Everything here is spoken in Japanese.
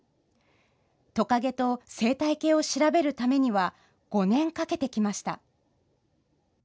トカゲと生態系を調べるためには５年かけてきました。